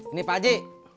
ini pak ji